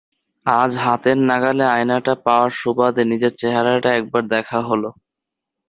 আজ হাতের নাগালে আয়নাটা পাওয়ার সুবাদে নিজের চেহারাটা একবার দেখা হলো।